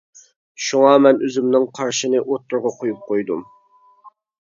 شۇڭا مەن ئۆزۈمنىڭ قارىشىنى ئوتتۇرىغا قويۇپ قويدۇم.